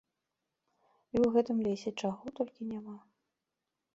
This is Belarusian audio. І ў гэтым лесе чаго толькі няма!